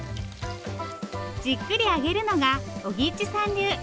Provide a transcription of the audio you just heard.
じっくり揚げるのが扇一さん流。